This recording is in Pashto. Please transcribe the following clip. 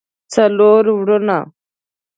څلور وروڼه